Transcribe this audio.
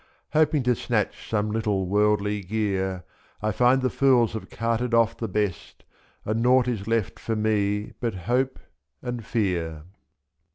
Hoping to snatch some little worldly gear, f^6". I find the fools have carted off the best. And nought is left for me but — hope and fear.